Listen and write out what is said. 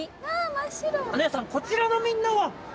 お姉さんこちらのみんなは？